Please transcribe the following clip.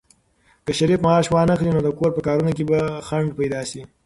که شریف معاش وانخلي، نو د کور په کارونو کې به خنډ پيدا شي.